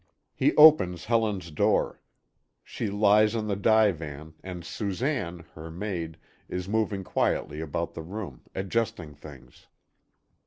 He opens Helen's door. She lies on the divan, and Susanne, her maid, is moving quietly about the room, adjusting things.